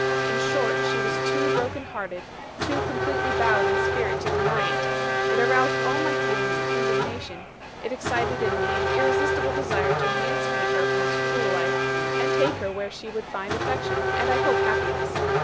In short she was too broken hearted, too completely bowed in spirit to deny it. It aroused all my feelings of indignation it excited in me an irresistible desire to emancipate her from this cruel life, and take her where she would find affection, and I hope happiness.